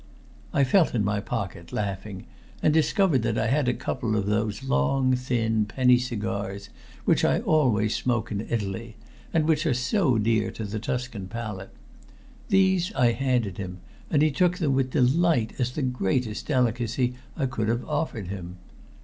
I felt in my pocket, laughing, and discovered that I had a couple of those long thin penny cigars which I always smoke in Italy, and which are so dear to the Tuscan palate. These I handed him, and he took them with delight as the greatest delicacy I could have offered him.